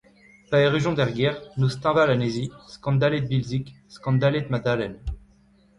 Pa errujont er gêr, noz teñval anezhi, skandalet Bilzig, skandalet Madalen.